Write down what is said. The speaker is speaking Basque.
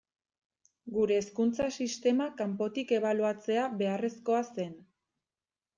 Gure hezkuntza sistema kanpotik ebaluatzea beharrezkoa zen.